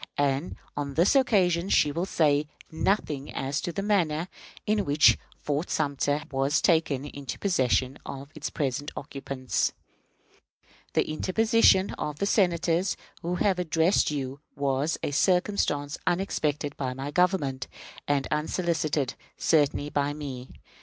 And on this occasion she will say nothing as to the manner in which Fort Sumter was taken into the possession of its present occupants. The interposition of the Senators who have addressed you was a circumstance unexpected by my government, and unsolicited certainly by me.